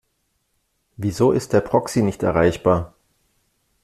Wieso ist der Proxy nicht erreichbar?